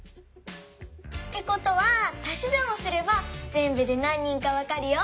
ってことはたしざんをすればぜんぶでなん人かわかるよ。